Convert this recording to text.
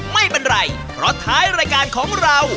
ไม่เป็นไรเพราะท้ายรายการของเรา